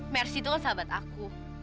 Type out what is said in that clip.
mercy tuh kan sahabat aku